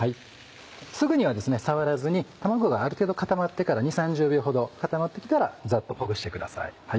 すぐにはですね触らずに卵がある程度固まってから２０３０秒ほど固まって来たらざっとほぐしてください。